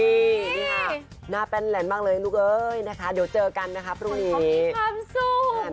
นี่ค่ะหน้าแป้นแหลนมากเลยลูกเอ้ยนะคะเดี๋ยวเจอกันนะคะพรุ่งนี้มีความสุข